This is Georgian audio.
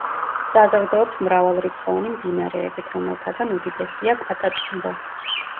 საზრდოობს მრავალრიცხოვანი მდინარეებით, რომელთაგან უდიდესია კატატუმბო.